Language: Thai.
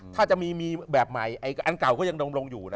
ถ้าจะมีแบบใหม่อันเก่าก็ยังดมลงอยู่นะ